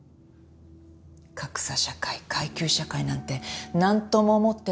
格差社会階級社会なんてなんとも思ってないなんて